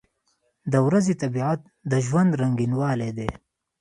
• د ورځې طبیعت د ژوند رنګینوالی دی.